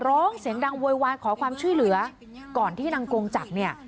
ร้องเสียงดังโวยวายขอความช่วยเหลือก่อนที่นางกงจักรเนี่ย